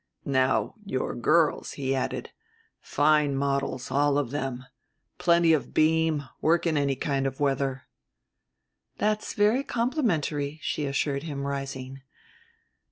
"Now your girls," he added, "fine models, all of them, plenty of beam, work in any kind of weather." "That's very complimentary," she assured him, rising.